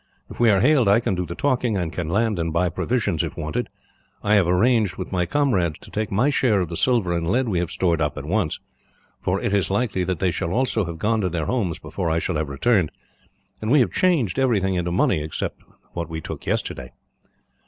If we are hailed, I can do the talking; and can land and buy provisions, if wanted. I have arranged with my comrades to take my share of the silver and lead we have stored up, at once; for it is likely that they will also have gone to their homes before I shall have returned, and we have changed everything into money, except what we took yesterday."